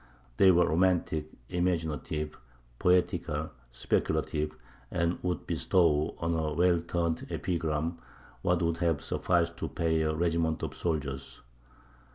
They were romantic, imaginative, poetical, speculative, and would bestow on a well turned epigram what would have sufficed to pay a regiment of soldiers.